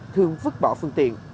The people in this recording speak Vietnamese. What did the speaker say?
thường vứt bỏ phương tiện